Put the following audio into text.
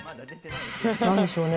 なんでしょうね？